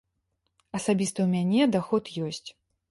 Асабіста ў мяне даход ёсць.